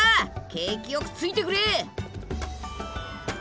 景気よくついてくれ！